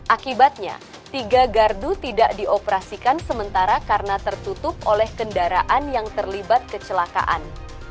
akibatnya tiga gardu tidak dioperasikan sementara karena tertutup oleh kendaraan yang terlibat kecelakaan